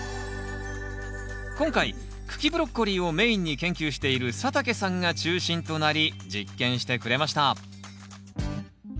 今回茎ブロッコリーをメインに研究している佐竹さんが中心となり実験してくれました